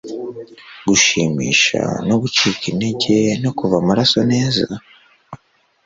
gushimisha no gucika intege no kuva amaraso neza?